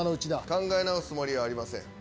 考え直すつもりはありません。